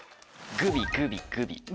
グビグビグビ。